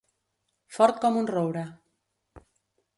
Fort com un roure.